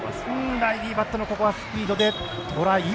ライリー・バットのスピードでトライ。